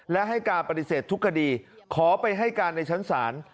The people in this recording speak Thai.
และให้การปฏิเสธทุกคดีขอไปให้การในชั้นศาล